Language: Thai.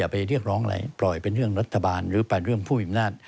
ไปเรียกร้องอะไรปล่อยเป็นเรื่องรัฐบาลหรือไปเรื่องผู้มีอำนาจ